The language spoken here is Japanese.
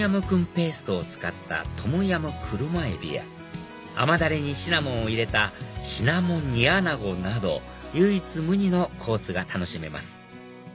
ペーストを使ったトムヤム車海老や甘ダレにシナモンを入れたシナモン煮穴子など唯一無二のコースが楽しめます